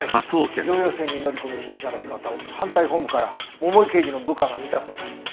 城陽線に乗り込む被疑者の姿を反対ホームから桃井刑事の部下が見たそうだ。